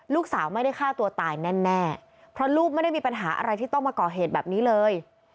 ลูกสาวไม่ได้ฆ่าตัวตายแน่เพราะลูกไม่ได้มีปัญหาอะไรที่ต้องมาก่อเหตุแบบนี้เลย